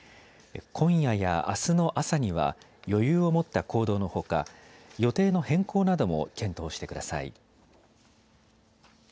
今夜やあすの朝には余裕を持った行動のほか予定の変更なども検討してください。